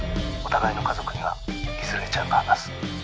「お互いの家族にはいずれちゃんと話す」